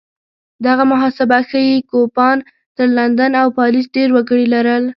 دغه محاسبه ښيي کوپان تر لندن او پاریس ډېر وګړي لرل